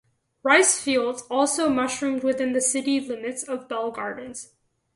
Rice fields also mushroomed within the city limits of Bell Gardens.